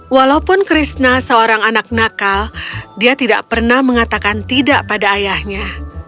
walaupun krishna seorang anak nakal dia tidak pernah mengatakan tidak pada ayahnya